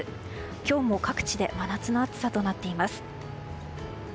今日も各地で真夏の暑さとなっています。